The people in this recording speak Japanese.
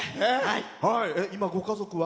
今、ご家族は？